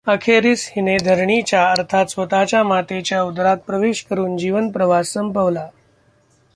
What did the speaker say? अखेरीस हिने धरणीच्या, अर्थात स्वतःच्या मातेच्या, उदरात प्रवेश करून जीवनप्रवास संपवला.